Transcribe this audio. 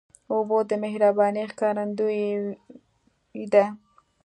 اوبه د مهربانۍ ښکارندویي ده.